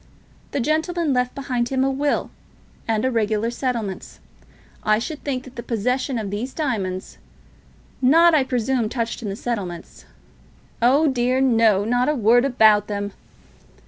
The gentleman left behind him a will, and regular settlements. I should think that the possession of these diamonds, not, I presume, touched on in the settlements " "Oh dear no; not a word about them."